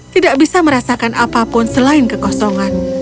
tidak bisa merasakan apapun selain kekosongan